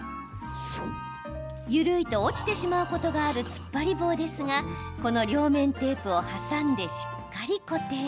緩いと落ちてしまうことがある突っ張り棒ですがこの両面テープを挟んでしっかり固定。